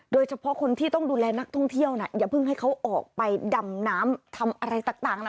โดยเฉพาะคนที่ต้องดูแลนักท่องเที่ยวน่ะอย่าเพิ่งให้เขาออกไปดำน้ำทำอะไรต่างนะ